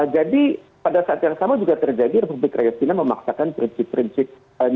jadi pada saat yang sama juga terjadi republik rakyat cina memaksakan prinsip prinsip sembilan sepuluh satu